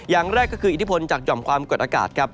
อย่างแรกก็คืออิทธิพลจากหย่อมความกดอากาศครับ